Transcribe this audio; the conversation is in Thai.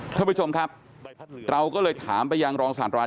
ท่านผู้ชมครับเราก็เลยถามไปยังรองศาสตราจา